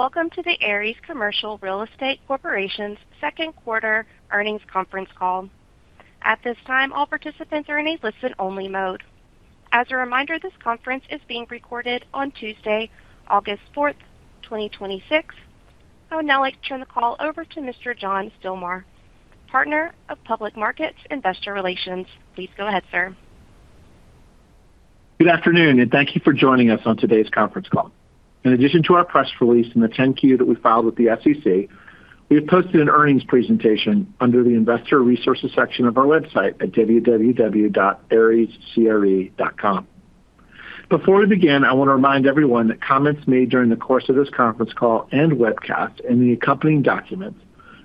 Welcome to the Ares Commercial Real Estate Corporation's second quarter earnings conference call. At this time, all participants are in a listen-only mode. As a reminder, this conference is being recorded on Tuesday, August 4, 2026. I would now like to turn the call over to Mr. John Stilmar, Partner of Public Markets Investor Relations. Please go ahead, sir. Good afternoon. Thank you for joining us on today's conference call. In addition to our press release and the 10-Q that we filed with the SEC, we have posted an earnings presentation under the investor resources section of our website at www.arescre.com. Before we begin, I want to remind everyone that comments made during the course of this conference call and webcast, and the accompanying documents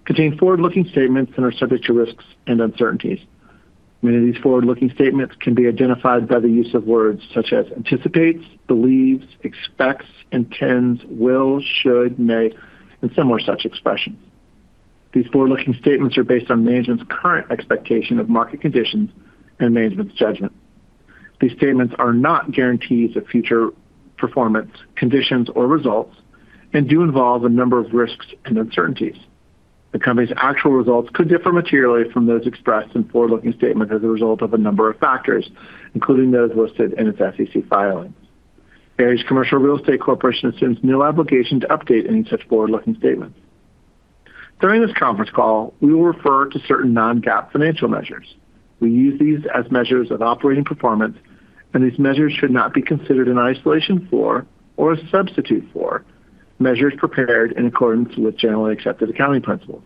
contain Forward-Looking statements and are subject to risks and uncertainties. Many of these Forward-Looking statements can be identified by the use of words such as anticipates, believes, expects, intends, will, should, may, and similar such expressions. These Forward-Looking statements are based on management's current expectation of market conditions and management's judgment. These statements are not guarantees of future performance, conditions, or results and do involve a number of risks and uncertainties. The company's actual results could differ materially from those expressed in Forward-Looking statements as a result of a number of factors, including those listed in its SEC filings. Ares Commercial Real Estate Corporation assumes no obligation to update any such Forward-Looking statements. During this conference call, we will refer to certain non-GAAP financial measures. We use these as measures of operating performance, and these measures should not be considered in isolation for or as a substitute for measures prepared in accordance with generally accepted accounting principles.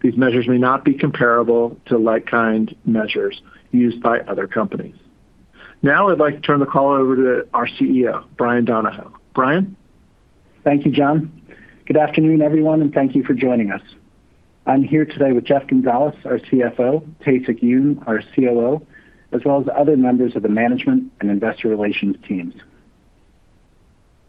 These measures may not be comparable to like-kind measures used by other companies. Now I'd like to turn the call over to our CEO, Bryan Donohoe. Bryan? Thank you, John. Good afternoon, everyone. Thank you for joining us. I'm here today with Jeff Gonzales, our CFO, Tae-Sik Yoon, our COO, as well as other members of the management and investor relations teams.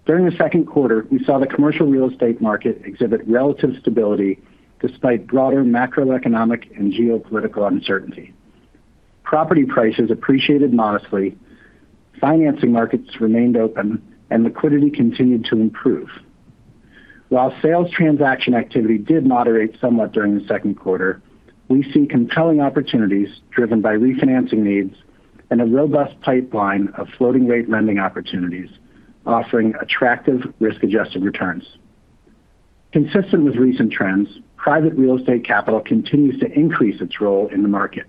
During the second quarter, we saw the commercial real estate market exhibit relative stability despite broader macroeconomic and geopolitical uncertainty. Property prices appreciated modestly, financing markets remained open, and liquidity continued to improve. While sales transaction activity did moderate somewhat during the second quarter, we see compelling opportunities driven by refinancing needs and a robust pipeline of floating rate lending opportunities offering attractive risk-adjusted returns. Consistent with recent trends, private real estate capital continues to increase its role in the market.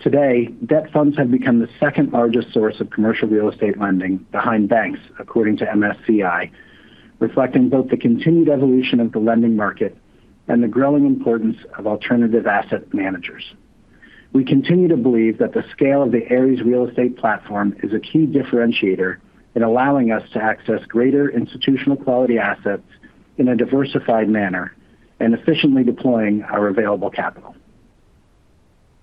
Today, debt funds have become the second-largest source of commercial real estate lending behind banks, according to MSCI, reflecting both the continued evolution of the lending market and the growing importance of alternative asset managers. We continue to believe that the scale of the Ares real estate platform is a key differentiator in allowing us to access greater institutional quality assets in a diversified manner and efficiently deploying our available capital.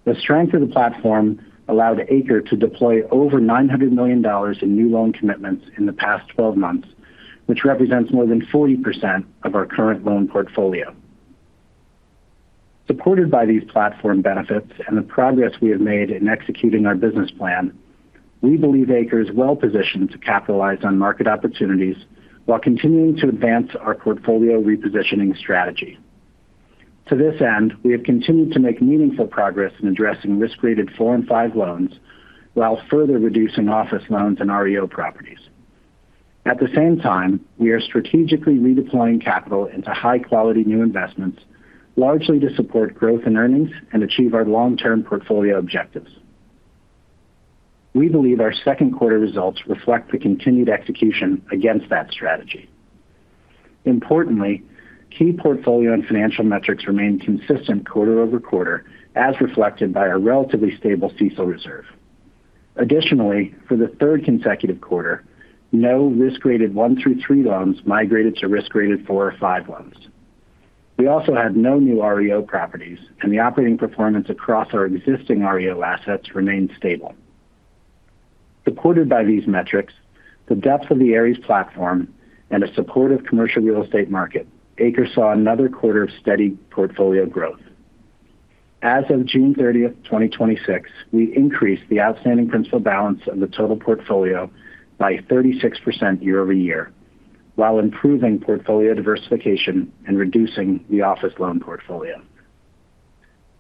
The strength of the platform allowed ACRE to deploy over $900 million in new loan commitments in the past 12 months, which represents more than 40% of our current loan portfolio. Supported by these platform benefits and the progress we have made in executing our business plan, we believe ACRE is well positioned to capitalize on market opportunities while continuing to advance our portfolio repositioning strategy. To this end, we have continued to make meaningful progress in addressing risk-rated four and five loans while further reducing office loans and REO properties. At the same time, we are strategically redeploying capital into high-quality new investments, largely to support growth in earnings and achieve our long-term portfolio objectives. We believe our second quarter results reflect the continued execution against that strategy. Importantly, key portfolio and financial metrics remain consistent quarter-over-quarter, as reflected by our relatively stable CECL reserve. Additionally, for the third consecutive quarter, no risk-rated one through three loans migrated to risk-rated four or five loans. We also had no new REO properties, and the operating performance across our existing REO assets remained stable. Supported by these metrics, the depth of the Ares platform and a supportive commercial real estate market, ACRE saw another quarter of steady portfolio growth. As of June 30th, 2026, we increased the outstanding principal balance of the total portfolio by 36% year-over-year while improving portfolio diversification and reducing the office loan portfolio.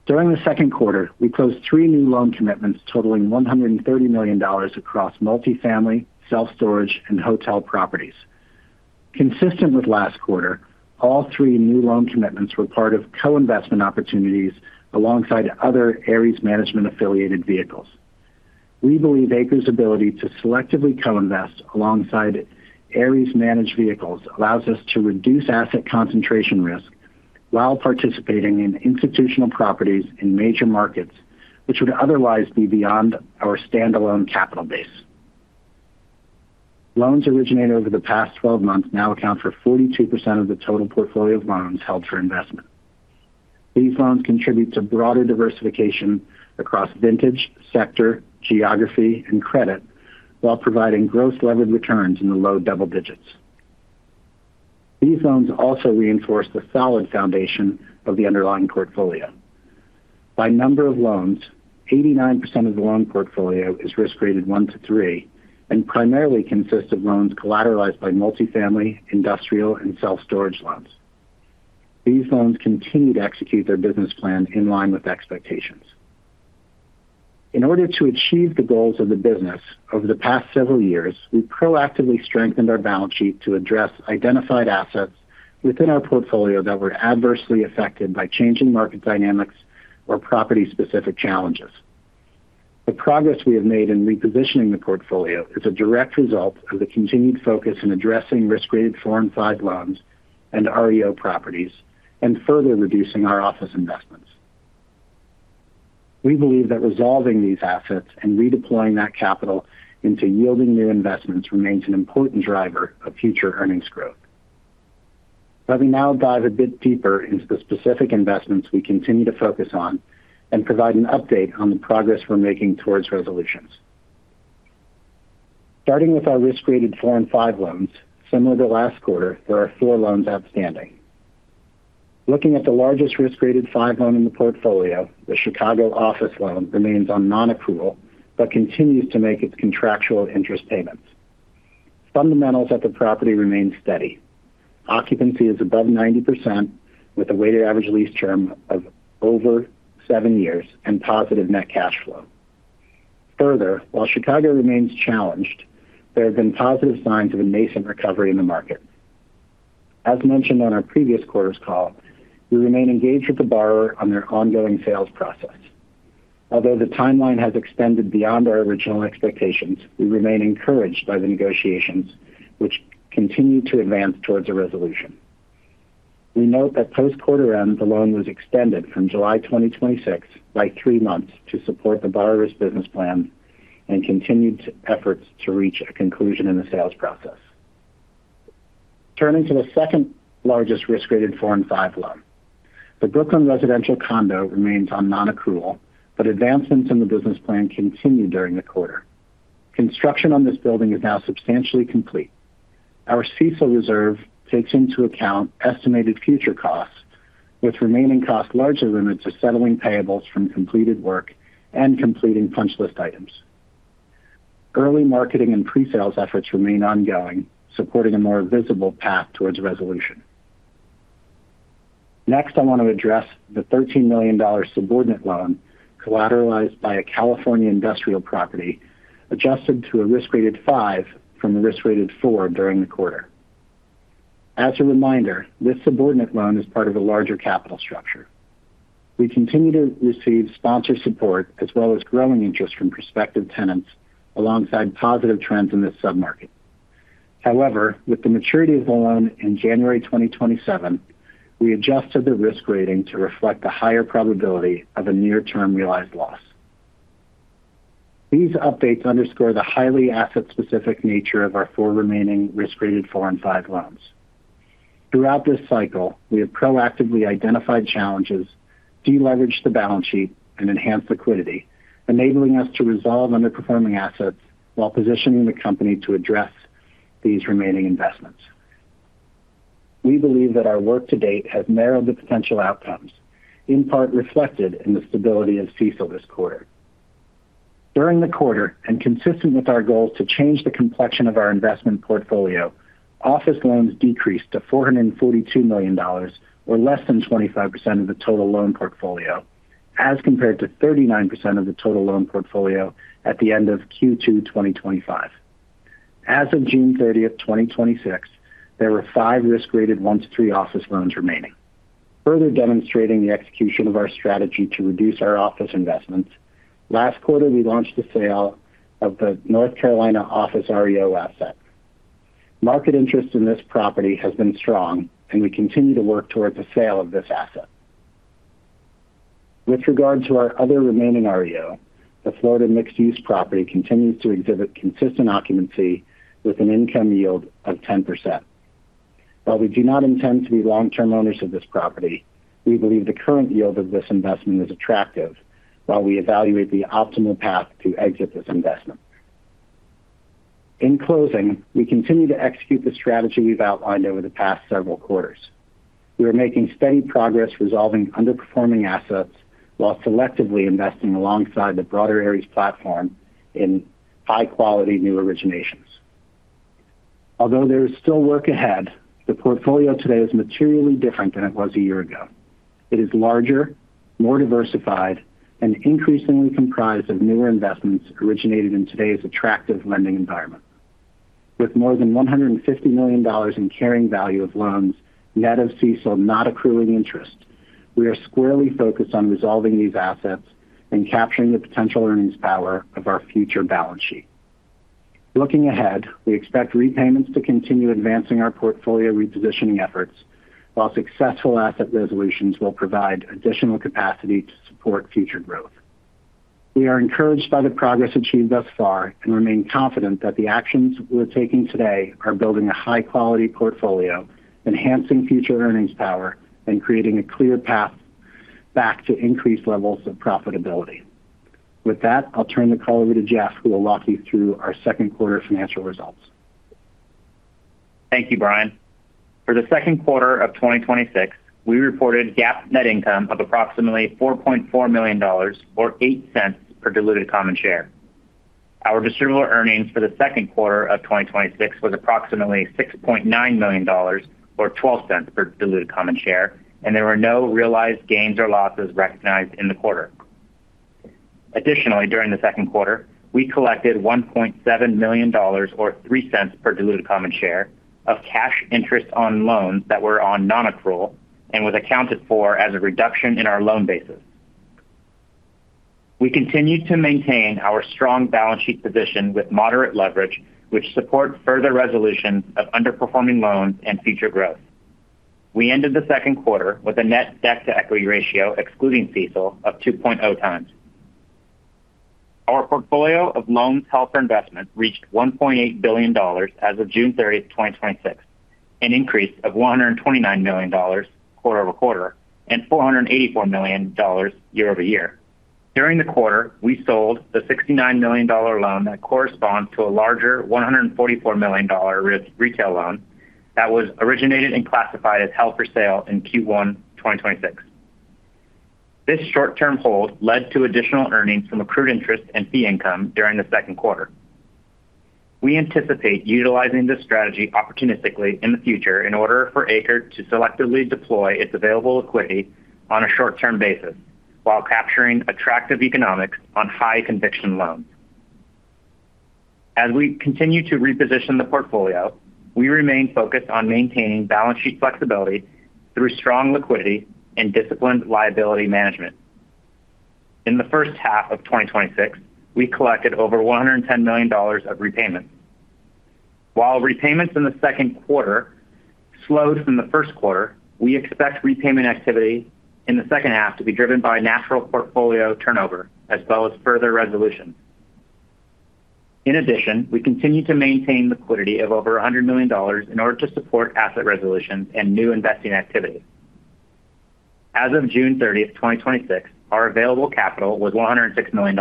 During the second quarter, we closed three new loan commitments totaling $130 million across multi-family, self-storage, and hotel properties. Consistent with last quarter, all three new loan commitments were part of co-investment opportunities alongside other Ares Management affiliated vehicles. We believe ACRE's ability to selectively co-invest alongside Ares managed vehicles allows us to reduce asset concentration risk while participating in institutional properties in major markets which would otherwise be beyond our standalone capital base. Loans originated over the past 12 months now account for 42% of the total portfolio of loans held for investment. These loans contribute to broader diversification across vintage, sector, geography, and credit while providing gross levered returns in the low double digits. These loans also reinforce the solid foundation of the underlying portfolio. By number of loans, 89% of the loan portfolio is risk rated one to three and primarily consists of loans collateralized by multifamily, industrial, and self-storage loans. These loans continue to execute their business plan in line with expectations. In order to achieve the goals of the business over the past several years, we proactively strengthened our balance sheet to address identified assets within our portfolio that were adversely affected by changing market dynamics or property-specific challenges. The progress we have made in repositioning the portfolio is a direct result of the continued focus in addressing risk-rated four and five loans and REO properties and further reducing our office investments. We believe that resolving these assets and redeploying that capital into yielding new investments remains an important driver of future earnings growth. Let me now dive a bit deeper into the specific investments we continue to focus on and provide an update on the progress we're making towards resolutions. Starting with our risk-rated four and five loans. Similar to last quarter, there are four loans outstanding. Looking at the largest risk-rated five loan in the portfolio, the Chicago office loan remains on non-accrual but continues to make its contractual interest payments. Fundamentals at the property remain steady. Occupancy is above 90% with a weighted average lease term of over seven years and positive net cash flow. Further, while Chicago remains challenged, there have been positive signs of a nascent recovery in the market. As mentioned on our previous quarter's call, we remain engaged with the borrower on their ongoing sales process. Although the timeline has extended beyond our original expectations, we remain encouraged by the negotiations, which continue to advance towards a resolution. We note that post quarter end, the loan was extended from July 2026 by three months to support the borrower's business plan and continued efforts to reach a conclusion in the sales process. Turning to the second-largest risk-rated four and five loan. The Brooklyn residential condo remains on non-accrual, but advancements in the business plan continued during the quarter. Construction on this building is now substantially complete. Our CECL reserve takes into account estimated future costs, with remaining costs largely limited to settling payables from completed work and completing punch list items. Early marketing and pre-sales efforts remain ongoing, supporting a more visible path towards resolution. Next, I want to address the $13 million subordinate loan collateralized by a California industrial property, adjusted to a risk rated five from a risk rated four during the quarter. As a reminder, this subordinate loan is part of a larger capital structure. We continue to receive sponsor support as well as growing interest from prospective tenants alongside positive trends in this sub-market. However, with the maturity of the loan in January 2027, we adjusted the risk rating to reflect the higher probability of a near-term realized loss. These updates underscore the highly asset-specific nature of our four remaining risk-rated four and five loans. Throughout this cycle, we have proactively identified challenges, de-leveraged the balance sheet, and enhanced liquidity, enabling us to resolve underperforming assets while positioning the company to address these remaining investments. We believe that our work to date has narrowed the potential outcomes, in part reflected in the stability of CECL this quarter. During the quarter, and consistent with our goals to change the complexion of our investment portfolio, office loans decreased to $442 million, or less than 25% of the total loan portfolio, as compared to 39% of the total loan portfolio at the end of Q2 2025. As of June 30th, 2026, there were five risk-rated one to three office loans remaining. Further demonstrating the execution of our strategy to reduce our office investments, last quarter we launched the sale of the North Carolina office REO asset. Market interest in this property has been strong, and we continue to work towards the sale of this asset. With regard to our other remaining REO, the Florida mixed-use property continues to exhibit consistent occupancy with an income yield of 10%. While we do not intend to be long-term owners of this property, we believe the current yield of this investment is attractive while we evaluate the optimal path to exit this investment. In closing, we continue to execute the strategy we've outlined over the past several quarters. We are making steady progress resolving underperforming assets while selectively investing alongside the broader Ares platform in high-quality new originations. Although there is still work ahead, the portfolio today is materially different than it was a year ago. It is larger, more diversified, and increasingly comprised of newer investments originated in today's attractive lending environment. With more than $150 million in carrying value of loans, net of CECL not accruing interest, we are squarely focused on resolving these assets and capturing the potential earnings power of our future balance sheet. Looking ahead, we expect repayments to continue advancing our portfolio repositioning efforts, while successful asset resolutions will provide additional capacity to support future growth. We are encouraged by the progress achieved thus far and remain confident that the actions we're taking today are building a high-quality portfolio, enhancing future earnings power, and creating a clear path back to increased levels of profitability. With that, I'll turn the call over to Jeff, who will walk you through our second quarter financial results. Thank you, Bryan. For the second quarter of 2026, we reported GAAP net income of approximately $4.4 million, or $0.08 per diluted common share. Our distributable earnings for the second quarter of 2026 was approximately $6.9 million, or $0.12 per diluted common share, and there were no realized gains or losses recognized in the quarter. Additionally, during the second quarter, we collected $1.7 million, or $0.03 per diluted common share of cash interest on loans that were on non-accrual and was accounted for as a reduction in our loan basis. We continue to maintain our strong balance sheet position with moderate leverage, which supports further resolution of underperforming loans and future growth. We ended the second quarter with a net debt-to-equity ratio, excluding CECL, of 2.0 times. Our portfolio of loans held for investment reached $1.8 billion as of June 30th, 2026, an increase of $129 million quarter-over-quarter and $484 million year-over-year. During the quarter, we sold the $69 million loan that corresponds to a larger $144 million risk retail loan that was originated and classified as held for sale in Q1 2026. This short-term hold led to additional earnings from accrued interest and fee income during the second quarter. We anticipate utilizing this strategy opportunistically in the future in order for ACRE to selectively deploy its available equity on a short-term basis while capturing attractive economics on high-conviction loans. As we continue to reposition the portfolio, we remain focused on maintaining balance sheet flexibility through strong liquidity and disciplined liability management. In the first half of 2026, we collected over $110 million of repayments. While repayments in the second quarter slowed from the first quarter, we expect repayment activity in the second half to be driven by natural portfolio turnover as well as further resolution. In addition, we continue to maintain liquidity of over $100 million in order to support asset resolutions and new investing activities. As of June 30th, 2026, our available capital was $106 million.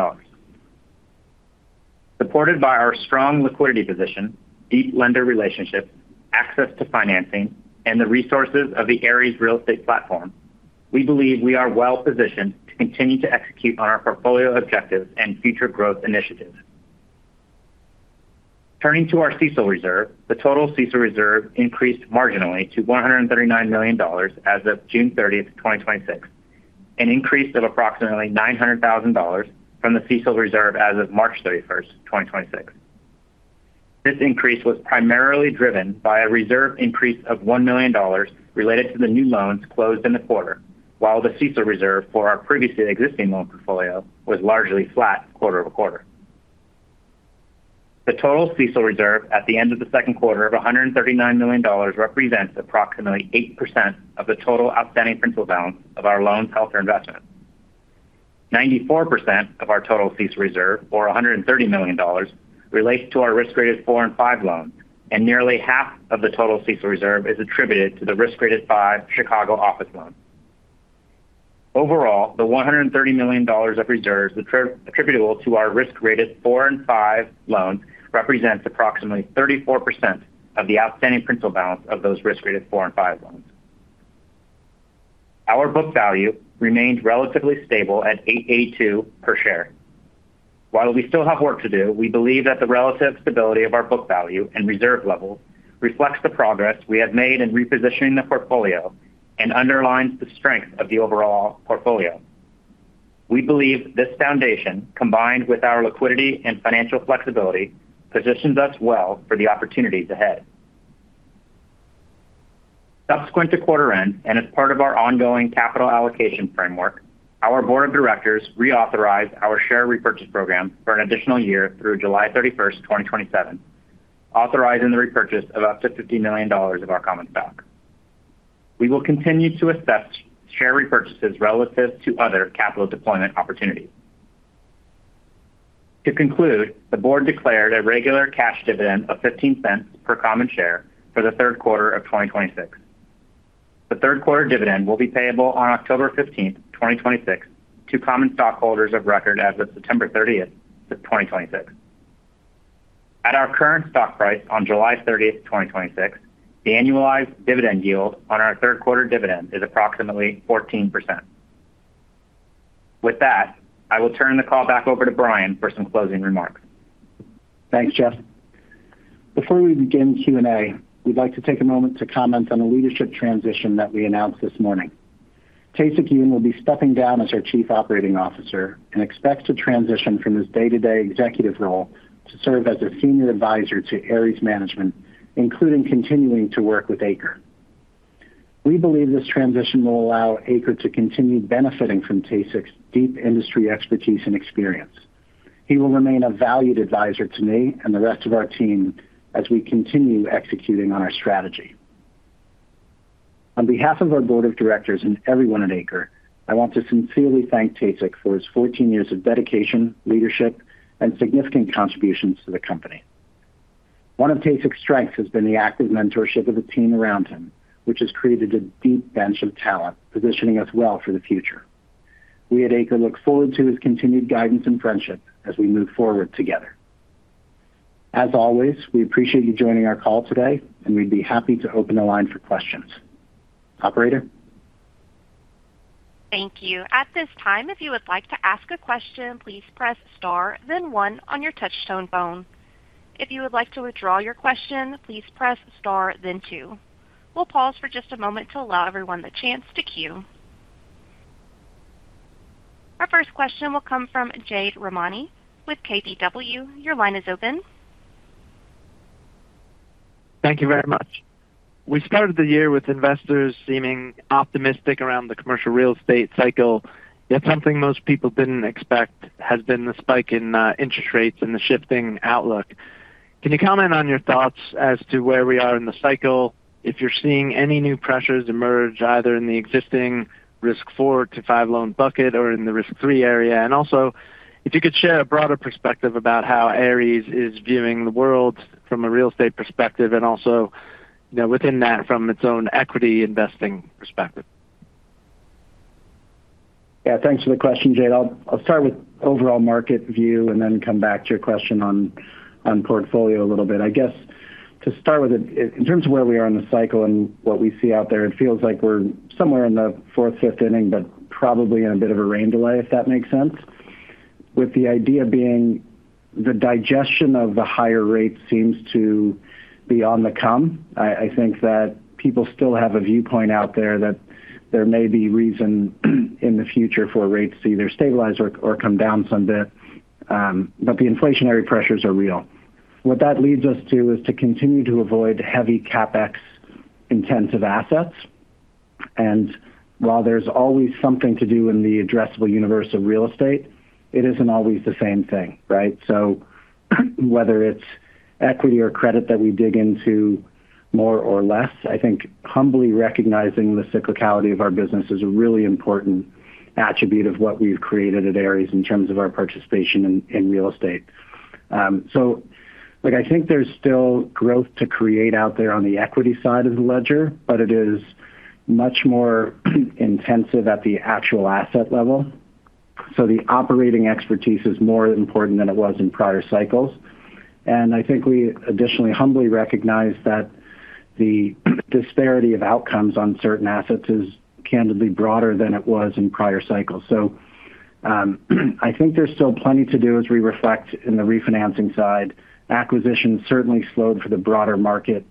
Supported by our strong liquidity position, deep lender relationships, access to financing, and the resources of the Ares Real Estate platform, we believe we are well positioned to continue to execute on our portfolio objectives and future growth initiatives. Turning to our CECL reserve, the total CECL reserve increased marginally to $139 million as of June 30th, 2026, an increase of approximately $900,000 from the CECL reserve as of March 31st, 2026. This increase was primarily driven by a reserve increase of $1 million related to the new loans closed in the quarter, while the CECL reserve for our previously existing loan portfolio was largely flat quarter-over-quarter. The total CECL reserve at the end of the second quarter of $139 million represents approximately 8% of the total outstanding principal balance of our loans held for investment. 94% of our total CECL reserve, or $130 million, relates to our risk-rated four and five loans, and nearly half of the total CECL reserve is attributed to the risk-rated five Chicago office loan. Overall, the $130 million of reserves attributable to our risk-rated four and five loans represents approximately 34% of the outstanding principal balance of those risk-rated four and five loans. Our book value remained relatively stable at $882 per share. While we still have work to do, we believe that the relative stability of our book value and reserve levels reflects the progress we have made in repositioning the portfolio and underlines the strength of the overall portfolio. We believe this foundation, combined with our liquidity and financial flexibility, positions us well for the opportunities ahead. Subsequent to quarter-end, as part of our ongoing capital allocation framework, our board of directors reauthorized our share repurchase program for an additional year through July 31st, 2027, authorizing the repurchase of up to $50 million of our common stock. We will continue to assess share repurchases relative to other capital deployment opportunities. To conclude, the board declared a regular cash dividend of $0.15 per common share for the third quarter of 2026. The third quarter dividend will be payable on October 15th, 2026, to common stockholders of record as of September 30th, 2026. At our current stock price on July 30th, 2026, the annualized dividend yield on our third quarter dividend is approximately 14%. With that, I will turn the call back over to Bryan for some closing remarks. Thanks, Jeff. Before we begin Q&A, we'd like to take a moment to comment on the leadership transition that we announced this morning. Tae-Sik Yoon will be stepping down as our Chief Operating Officer and expects to transition from his day-to-day executive role to serve as a senior advisor to Ares Management, including continuing to work with ACRE. We believe this transition will allow ACRE to continue benefiting from Tae-Sik's deep industry expertise and experience. He will remain a valued advisor to me and the rest of our team as we continue executing on our strategy. On behalf of our board of directors and everyone at ACRE, I want to sincerely thank Tae-Sik for his 14 years of dedication, leadership, and significant contributions to the company. One of Tae-Sik's strengths has been the active mentorship of the team around him, which has created a deep bench of talent, positioning us well for the future. We at ACRE look forward to his continued guidance and friendship as we move forward together. As always, we appreciate you joining our call today, and we'd be happy to open the line for questions. Operator? Thank you. At this time, if you would like to ask a question, please press star then one on your touchtone phone. If you would like to withdraw your question, please press star then two. We'll pause for just a moment to allow everyone the chance to queue. Our first question will come from Jade Rahmani with KBW. Your line is open. Thank you very much. We started the year with investors seeming optimistic around the commercial real estate cycle, something most people didn't expect has been the spike in interest rates and the shifting outlook. Can you comment on your thoughts as to where we are in the cycle, if you're seeing any new pressures emerge, either in the existing risk four to five loan bucket or in the risk three area? Also, if you could share a broader perspective about how Ares is viewing the world from a real estate perspective, and also within that, from its own equity investing perspective. Thanks for the question, Jade. I'll start with overall market view and then come back to your question on portfolio a little bit. I guess to start with, in terms of where we are in the cycle and what we see out there, it feels like we are somewhere in the fourth, fifth inning, but probably in a bit of a rain delay, if that makes sense. With the idea being the digestion of the higher rates seems to be on the come. I think that people still have a viewpoint out there that there may be reason in the future for rates to either stabilize or come down some bit. The inflationary pressures are real. What that leads us to is to continue to avoid heavy CapEx-intensive assets. While there's always something to do in the addressable universe of real estate, it isn't always the same thing, right? Whether it's equity or credit that we dig into more or less, I think humbly recognizing the cyclicality of our business is a really important attribute of what we've created at Ares in terms of our participation in real estate. I think there's still growth to create out there on the equity side of the ledger, but it is much more intensive at the actual asset level. The operating expertise is more important than it was in prior cycles. I think we additionally humbly recognize that the disparity of outcomes on certain assets is candidly broader than it was in prior cycles. I think there's still plenty to do as we reflect in the refinancing side. Acquisitions certainly slowed for the broader market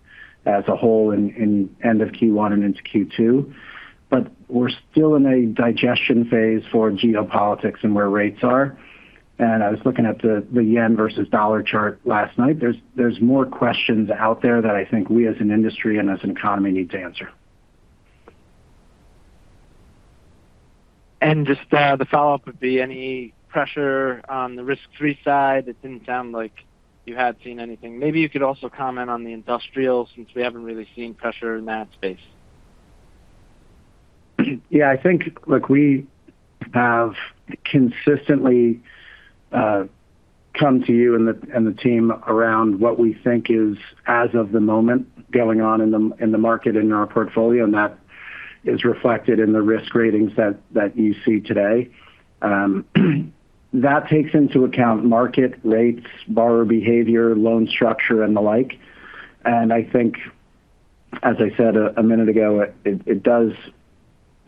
as a whole in end of Q1 and into Q2, but we are still in a digestion phase for geopolitics and where rates are. I was looking at the yen versus dollar chart last night. There's more questions out there that I think we, as an industry and as an economy, need to answer. Just the follow-up would be any pressure on the risk free side? It didn't sound like you had seen anything. Maybe you could also comment on the industrial, since we haven't really seen pressure in that space. Yeah, I think we have consistently come to you and the team around what we think is, as of the moment, going on in the market in our portfolio, and that is reflected in the risk ratings that you see today. That takes into account market rates, borrower behavior, loan structure, and the like. I think, as I said a minute ago, it does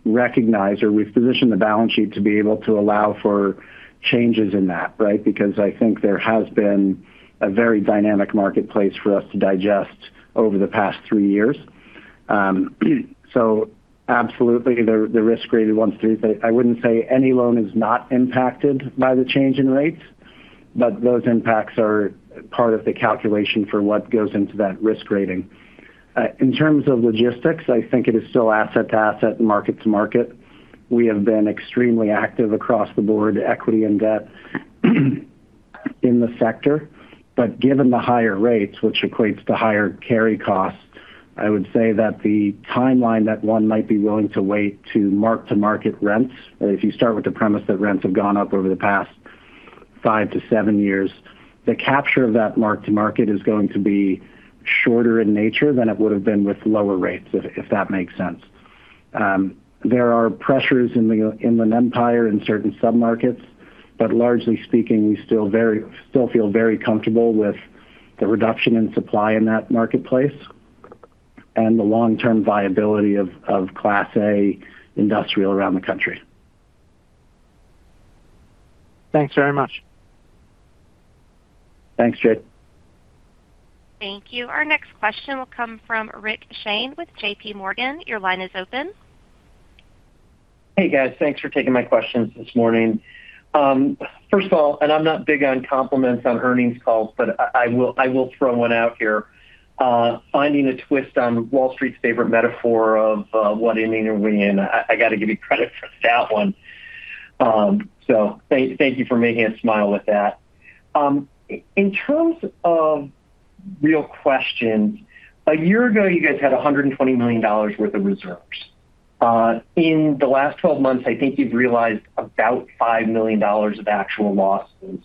recognize or we've positioned the balance sheet to be able to allow for changes in that, right? Because I think there has been a very dynamic marketplace for us to digest over the past three years. Absolutely, the risk rating one too. I wouldn't say any loan is not impacted by the change in rates, but those impacts are part of the calculation for what goes into that risk rating. In terms of logistics, I think it is still asset to asset and market to market. We have been extremely active across the board, equity and debt in the sector. Given the higher rates, which equates to higher carry costs, I would say that the timeline that one might be willing to wait to mark-to-market rents, if you start with the premise that rents have gone up over the past five to seven years, the capture of that mark to market is going to be shorter in nature than it would have been with lower rates, if that makes sense. There are pressures in the Inland Empire in certain sub-markets, but largely speaking, we still feel very comfortable with the reduction in supply in that marketplace and the long-term viability of Class A industrial around the country. Thanks very much. Thanks, Jade. Thank you. Our next question will come from Rick Shane with JPMorgan. Your line is open. Hey, guys. Thanks for taking my questions this morning. First of all, I'm not big on compliments on earnings calls, but I will throw one out here. Finding a twist on Wall Street's favorite metaphor of what inning are we in, I got to give you credit for that one. Thank you for making us smile with that. In terms of real questions, a year ago, you guys had $120 million worth of reserves. In the last 12 months, I think you've realized about $5 million of actual losses.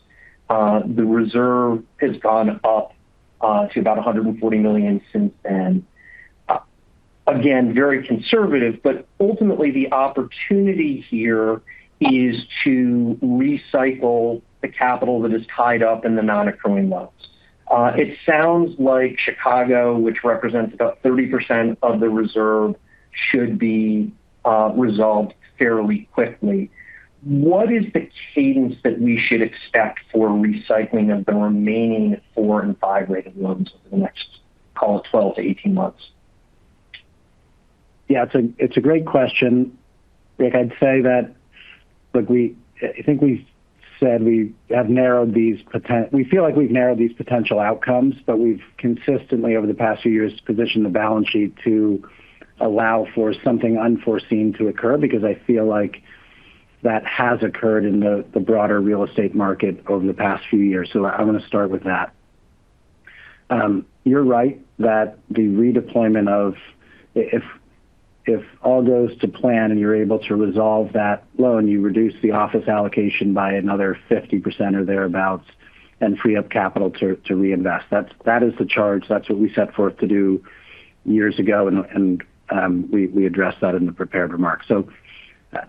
The reserve has gone up to about $140 million since then. Again, very conservative. Ultimately, the opportunity here is to recycle the capital that is tied up in the non-accruing loans. It sounds like Chicago, which represents about 30% of the reserve, should be resolved fairly quickly. What is the cadence that we should expect for recycling of the remaining four and five-rated loans over the next, call it 12-18 months? It's a great question, Rick. I'd say that we feel like we've narrowed these potential outcomes, we've consistently, over the past few years, positioned the balance sheet to allow for something unforeseen to occur, because I feel like that has occurred in the broader real estate market over the past few years. I'm going to start with that. You're right that the redeployment of. If all goes to plan and you're able to resolve that loan, you reduce the office allocation by another 50% or thereabouts and free up capital to reinvest. That is the charge. That's what we set forth to do years ago, we addressed that in the prepared remarks.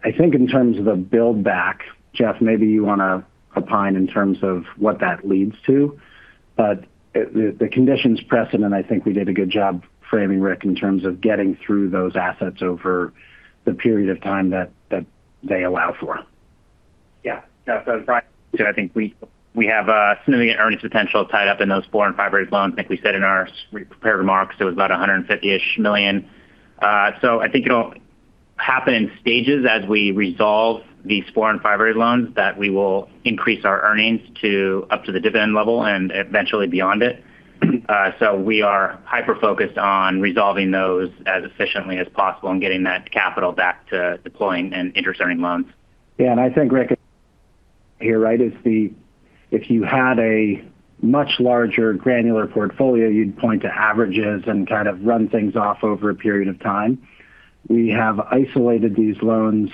I think in terms of the build-back, Jeff, maybe you want to opine in terms of what that leads to. The conditions precedent, I think we did a good job framing, Rick, in terms of getting through those assets over the period of time that they allow for. As Bryan said, I think we have a significant earnings potential tied up in those four and five-rated loans. I think we said in our prepared remarks it was about $150-ish million. I think it'll happen in stages as we resolve these four and five-rated loans that we will increase our earnings up to the dividend level and eventually beyond it. We are hyper-focused on resolving those as efficiently as possible and getting that capital back to deploying in interest earning loans. I think, Rick, you're right. If you had a much larger granular portfolio, you'd point to averages and kind of run things off over a period of time. We have isolated these loans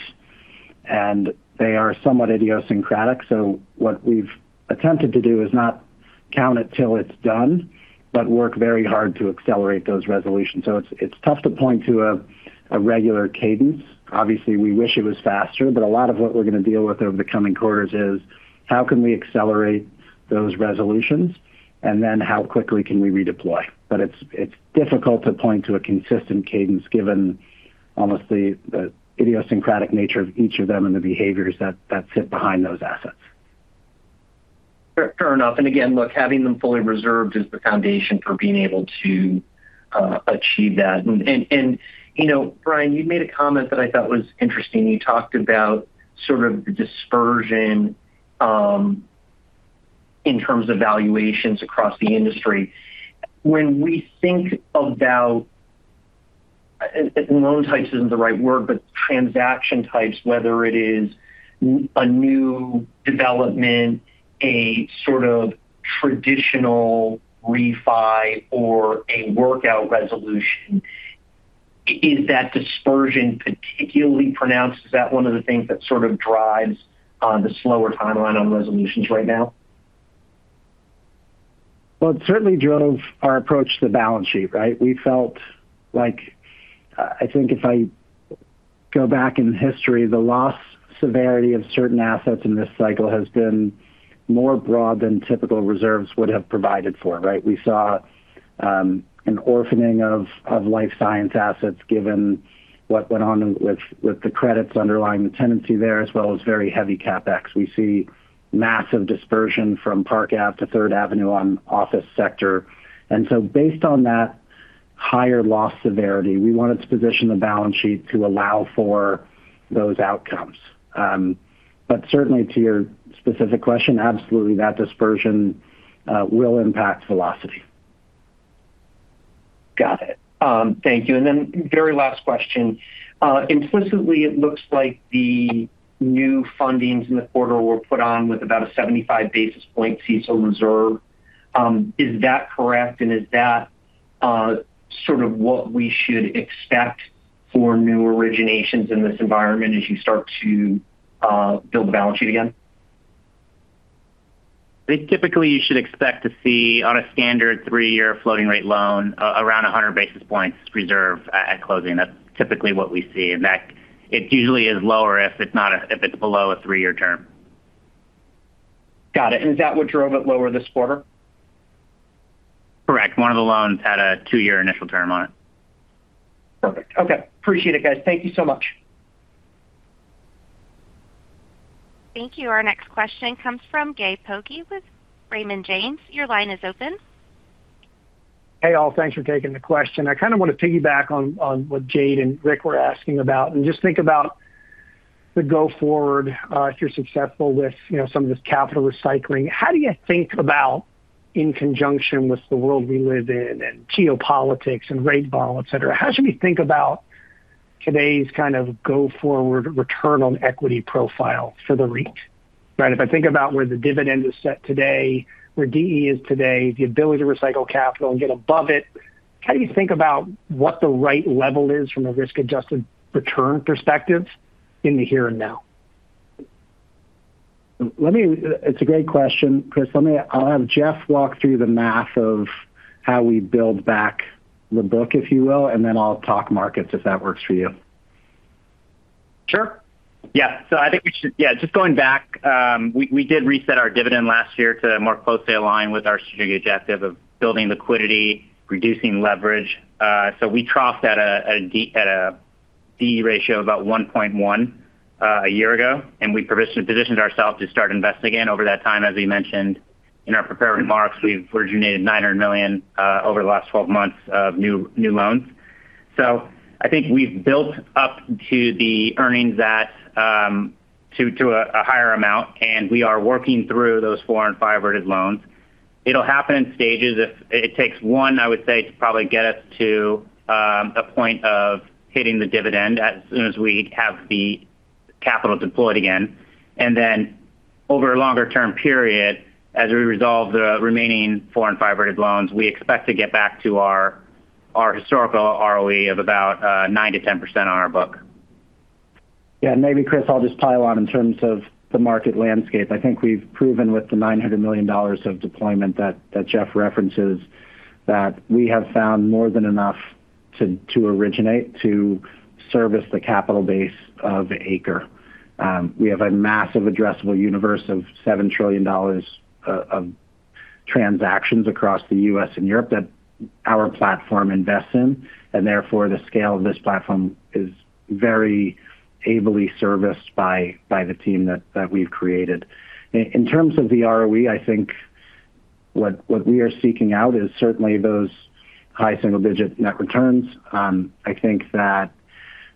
and they are somewhat idiosyncratic. What we've attempted to do is not count it till it's done, but work very hard to accelerate those resolutions. It's tough to point to a regular cadence. Obviously, we wish it was faster, a lot of what we're going to deal with over the coming quarters is how can we accelerate those resolutions, and then how quickly can we redeploy. It's difficult to point to a consistent cadence given almost the idiosyncratic nature of each of them and the behaviors that sit behind those assets. Fair enough. Again, look, having them fully reserved is the foundation for being able to achieve that. Bryan, you made a comment that I thought was interesting. You talked about sort of the dispersion in terms of valuations across the industry. When we think about, loan types isn't the right word, but transaction types, whether it is a new development, a sort of traditional refi- or a workout resolution, is that dispersion particularly pronounced? Is that one of the things that sort of drives the slower timeline on resolutions right now? Well, it certainly drove our approach to the balance sheet, right? We felt like, I think if I go back in history, the loss severity of certain assets in this cycle has been more broad than typical reserves would have provided for, right? We saw an orphaning of life science assets given what went on with the credits underlying the tenancy there, as well as very heavy CapEx. We see massive dispersion from Park Ave to Third Avenue on office sector. Based on that higher loss severity, we wanted to position the balance sheet to allow for those outcomes. Certainly to your specific question, absolutely. That dispersion will impact velocity. Got it. Thank you. Very last question. Implicitly it looks like the new fundings in the quarter were put on with about a 75 basis point CECL reserve. Is that correct, and is that sort of what we should expect for new originations in this environment as you start to build the balance sheet again? I think typically you should expect to see on a standard three-year floating rate loan, around 100 basis points reserve at closing. That's typically what we see, and that it usually is lower if it's below a three-year term. Got it. Is that what drove it lower this quarter? Correct. One of the loans had a two-year initial term on it. Perfect. Okay. Appreciate it, guys. Thank you so much. Thank you. Our next question comes from Gabe Poggi with Raymond James. Your line is open. Hey, all. Thanks for taking the question. I kind of want to piggyback on what Jade and Rick were asking about and just think about the go forward if you're successful with some of this capital recycling. How do you think about in conjunction with the world we live in and geopolitics and rate vol, et cetera, how should we think about today's kind of go forward return on equity profile for the REIT? If I think about where the dividend is set today, where D/E is today, the ability to recycle capital and get above it, how do you think about what the right level is from a risk-adjusted return perspective in the here and now? It's a great question, Gabe. I'll have Jeff walk through the math of how we build back the book, if you will, and then I'll talk markets, if that works for you. Sure. Just going back, we did reset our dividend last year to more closely align with our strategic objective of building liquidity, reducing leverage. We troughed at a D/E ratio of about 1.1 a year ago, and we positioned ourselves to start investing again over that time. As we mentioned in our prepared remarks, we've originated $900 million over the last 12 months of new loans. I think we've built up to the earnings to a higher amount, and we are working through those four and five-rated loans. It'll happen in stages. It takes one, I would say, to probably get us to a point of hitting the dividend as soon as we have the capital deployed again. Over a longer term period, as we resolve the remaining four and five-rated loans, we expect to get back to our historical ROE of about 9%-10% on our book. Maybe, Gabe, I'll just pile on in terms of the market landscape. I think we've proven with the $900 million of deployment that Jeff references, that we have found more than enough to originate to service the capital base of ACRE. We have a massive addressable universe of $7 trillion of transactions across the U.S. and Europe that our platform invests in, therefore the scale of this platform is very ably serviced by the team that we've created. In terms of the ROE, I think what we are seeking out is certainly those high single-digit net returns. I think that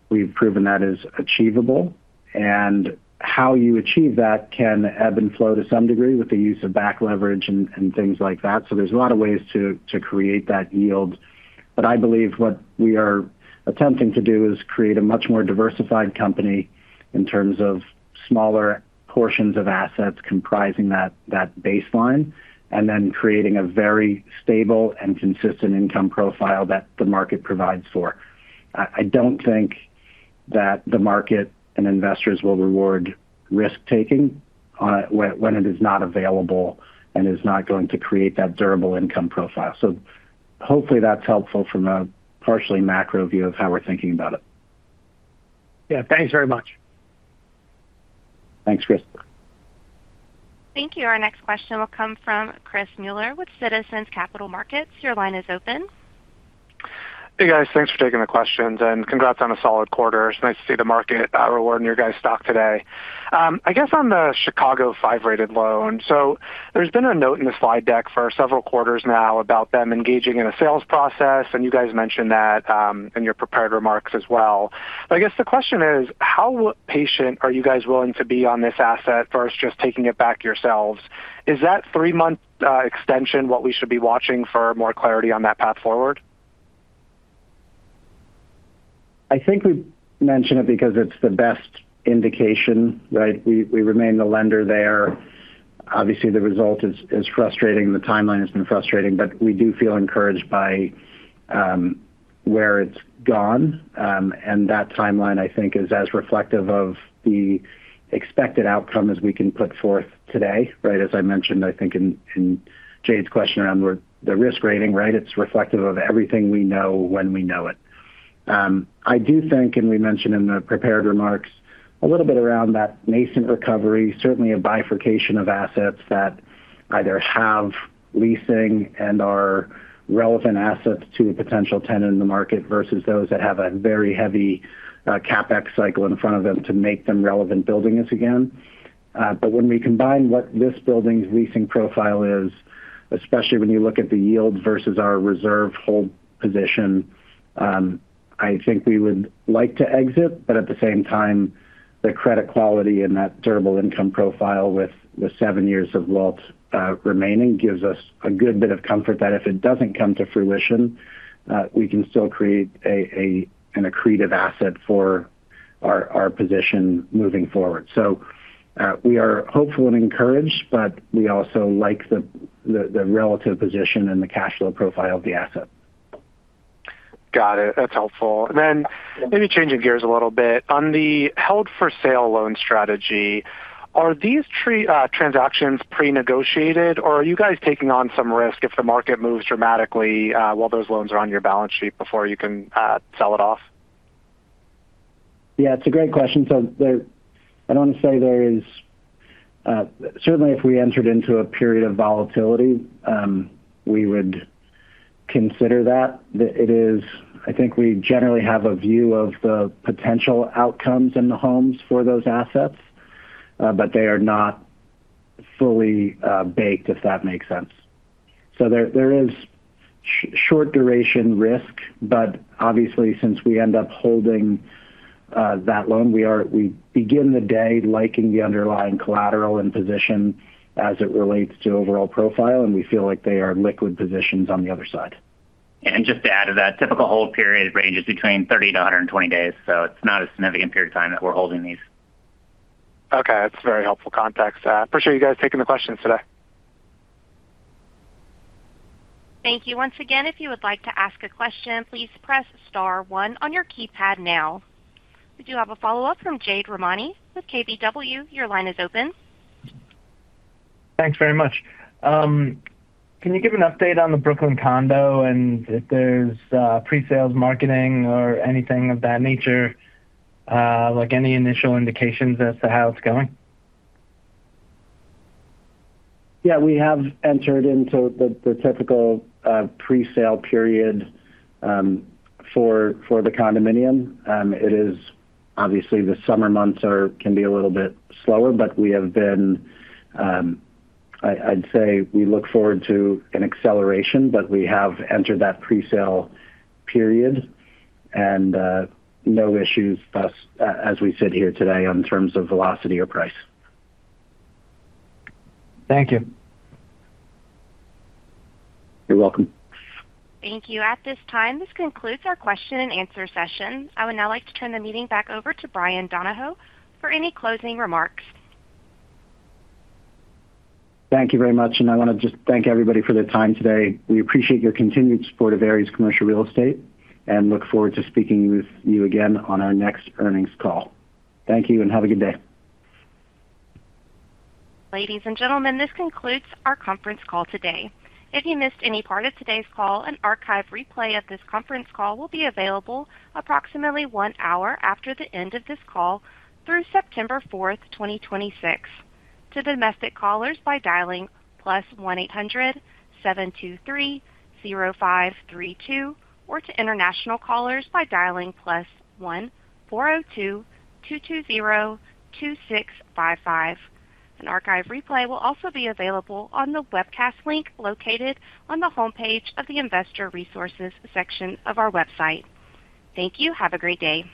we've proven that is achievable, and how you achieve that can ebb and flow to some degree with the use of back leverage and things like that. There's a lot of ways to create that yield. I believe what we are attempting to do is create a much more diversified company in terms of smaller portions of assets comprising that baseline, and then creating a very stable and consistent income profile that the market provides for. I don't think that the market and investors will reward risk-taking when it is not available and is not going to create that durable income profile. Hopefully that's helpful from a partially macro view of how we're thinking about it. Yeah. Thanks very much. Thanks, Gabe. Thank you. Our next question will come from Chris Muller with Citizens Capital Markets. Your line is open. Hey, guys. Thanks for taking the questions, and congrats on a solid quarter. It's nice to see the market rewarding your guys' stock today. I guess on the Chicago five-rated loan. There's been a note in the slide deck for several quarters now about them engaging in a sales process, and you guys mentioned that in your prepared remarks as well. I guess the question is, how patient are you guys willing to be on this asset versus just taking it back yourselves? Is that three-month extension what we should be watching for more clarity on that path forward? I think we mentioned it because it's the best indication, right? We remain the lender there. Obviously, the result is frustrating, the timeline has been frustrating, but we do feel encouraged by where it's gone. That timeline, I think is as reflective of the expected outcome as we can put forth today. Right? As I mentioned, I think in Jade's question around the risk rating, right? It's reflective of everything we know when we know it. I do think, and we mentioned in the prepared remarks a little bit around that nascent recovery, certainly a bifurcation of assets that either have leasing and are relevant assets to a potential tenant in the market versus those that have a very heavy CapEx cycle in front of them to make them relevant buildings again. When we combine what this building's leasing profile is, especially when you look at the yield versus our reserve hold position, I think we would like to exit, but at the same time, the credit quality and that durable income profile with the seven years of WALT remaining gives us a good bit of comfort that if it doesn't come to fruition, we can still create an accretive asset for our position moving forward. We are hopeful and encouraged, but we also like the relative position and the cash flow profile of the asset. Got it. That's helpful. Maybe changing gears a little bit. On the held-for-sale loan strategy, are these transactions pre-negotiated, or are you guys taking on some risk if the market moves dramatically while those loans are on your balance sheet before you can sell it off? Yeah, it's a great question. I don't want to say there is Certainly if we entered into a period of volatility, we would consider that. I think we generally have a view of the potential outcomes in the homes for those assets, but they are not fully baked, if that makes sense. There is short-duration risk, but obviously since we end up holding that loan, we begin the day liking the underlying collateral and position as it relates to overall profile, and we feel like they are liquid positions on the other side. Just to add to that, typical hold period ranges between 30-120 days. It's not a significant period of time that we're holding these. Okay. That's very helpful context. Appreciate you guys taking the questions today. Thank you. Once again, if you would like to ask a question, please press star one on your keypad now. We do have a follow-up from Jade Rahmani with KBW. Your line is open. Thanks very much. Can you give an update on the Brooklyn condo and if there's pre-sales marketing or anything of that nature? Like any initial indications as to how it's going? Yeah, we have entered into the typical pre-sale period for the condominium. Obviously, the summer months can be a little bit slower, but I'd say we look forward to an acceleration. We have entered that pre-sale period, and no issues thus, as we sit here today, in terms of velocity or price. Thank you. You're welcome. Thank you. At this time, this concludes our question-and-answer session. I would now like to turn the meeting back over to Bryan Donohoe for any closing remarks. Thank you very much, and I want to just thank everybody for their time today. We appreciate your continued support of Ares Commercial Real Estate and look forward to speaking with you again on our next earnings call. Thank you and have a good day. Ladies and gentlemen, this concludes our conference call today. If you missed any part of today's call, an archive replay of this conference call will be available approximately one hour after the end of this call through September 4, 2026. To domestic callers by dialing +1 800 723 0532, or to international callers by dialing +1 402 220 2655. An archive replay will also be available on the webcast link located on the homepage of the investor resources section of our website. Thank you. Have a great day.